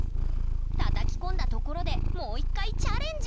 たたき込んだところでもう一回チャレンジ！